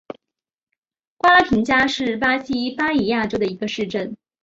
瓜拉廷加是巴西巴伊亚州的一个市镇。